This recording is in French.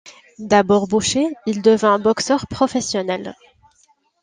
D'abord boucher, il devint boxeur professionnel.